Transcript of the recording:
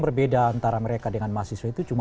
berbeda antara mereka dengan mahasiswa itu cuma